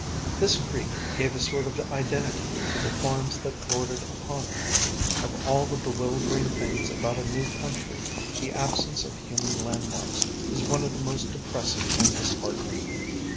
This creek gave a sort of identity to the farms that bordered upon it. Of all the bewildering things about a new country, the absence of human landmarks is one of the most depressing and disheartening.